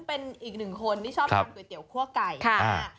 ผู้หญิงอ่ะใช่ป่ะ